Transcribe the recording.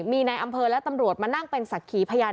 มีในอำเภอและตำรวจมานั่งเป็นศักดิ์ขีพยาน